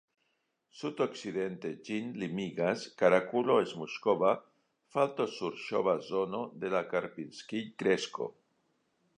Sud-okcidente ĝin limigas Karakulo-Smuŝkova falto-surŝova zono de la Karpinskij-kresto.